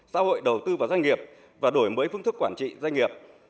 xã hội đầu tư vào doanh nghiệp và đổi mới phương thức quản trị doanh nghiệp